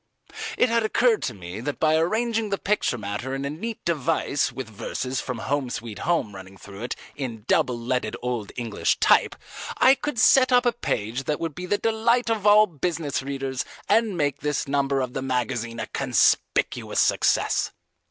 It had occurred to me that by arranging the picture matter in a neat device with verses from "Home Sweet Home" running through it in double leaded old English type, I could set up a page that would be the delight of all business readers and make this number of the magazine a conspicuous success.